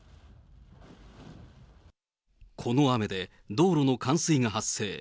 この雨で道路の冠水が発生。